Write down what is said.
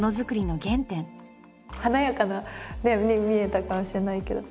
華やかにね見えたかもしれないけど。